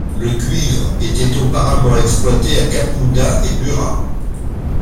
Le cuivre était auparavant exploité à Kapunda et Burra.